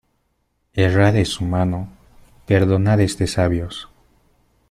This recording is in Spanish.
Errar es humano, perdonar es de sabios.